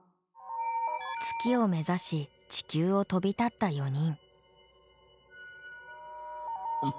月を目指し地球を飛び立った４人。